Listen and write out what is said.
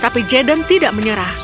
tapi jaden tidak menyerah